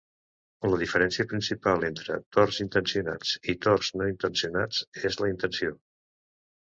La diferència principal entre torts intencionats i torts no intencionats és la intenció.